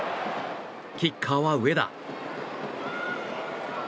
キッカーは上田。